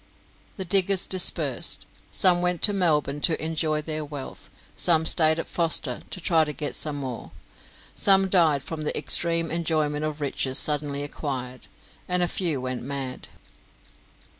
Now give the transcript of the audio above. The diggers dispersed; some went to Melbourne to enjoy their wealth; some stayed at Foster to try to get more; some died from the extreme enjoyment of riches suddenly acquired, and a few went mad.